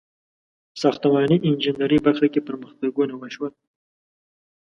• د ساختماني انجینرۍ په برخه کې پرمختګونه وشول.